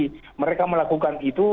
yang harus dilakukan itu